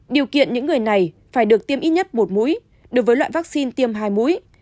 điều kiện những người này phải được tiêm ít nhất một mũi đối với loại vaccine tiêm hai mũi